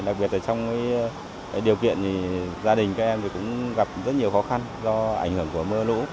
đặc biệt là trong cái điều kiện thì gia đình các em cũng gặp rất nhiều khó khăn do ảnh hưởng của mưa lũ